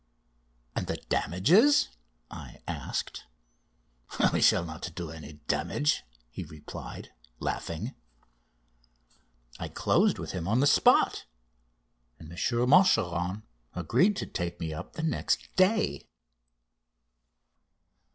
"And the damages?" I asked. "We shall not do any damage!" he replied, laughing. I closed with him on the spot, and M. Machuron agreed to take me up the next day.